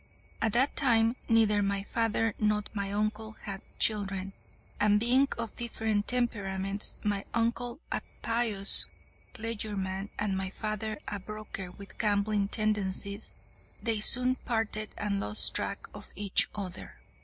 "'At that time neither my father nor uncle had children, and being of different temperaments my uncle a pious clergyman, and my father a broker with gambling tendencies they soon parted and lost track of each other.